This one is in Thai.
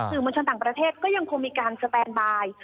สื่อมวลชนต่างประเทศก็ยังคงมีการสแตนบาย